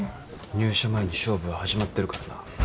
入社前に勝負は始まってるからな。